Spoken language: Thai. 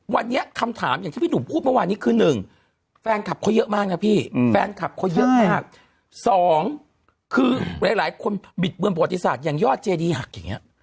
วันนี้คำถามอย่างที่พี่หนุ่มพูดเมื่อวานนี้คือ๑แฟนคลับเขาเยอะมากพี่๒คือหลายคนบิดเบือนประโบรสิทธิ์ศาติอย่างยอดเจดีหักอย่างนี้